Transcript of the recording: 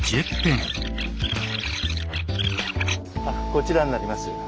あっこちらになります。